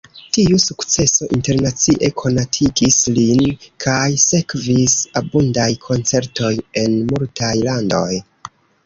Tiu sukceso internacie konatigis lin, kaj sekvis abundaj koncertoj en multaj landoj.